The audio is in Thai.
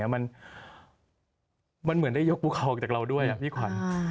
มันเหมือนได้ยกภูเขาออกจากเราด้วยพี่ขวัญ